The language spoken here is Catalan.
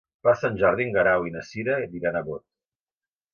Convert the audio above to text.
Per Sant Jordi en Guerau i na Cira aniran a Bot.